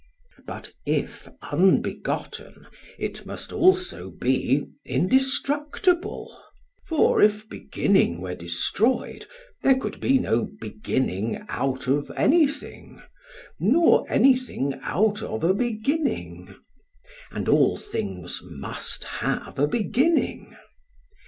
But if unbegotten, it must also be indestructible; for if beginning were destroyed, there could be no beginning out of anything, nor anything out of a beginning; and all things must have a beginning.